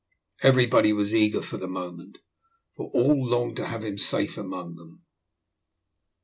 Everybody was eager for the moment, for all longed to have him safe among them.